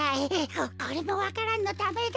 ここれもわか蘭のためだ。